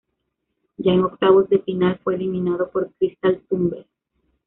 Ya en octavos de final fue eliminado por Cristal Tumbes.